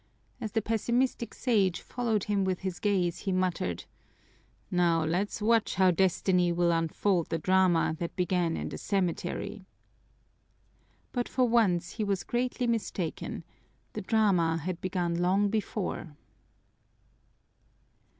As the pessimistic Sage followed him with his gaze, he muttered: "Now let's watch how Destiny will unfold the drama that began in the cemetery." But for once he was greatly mistaken the drama had begun long before!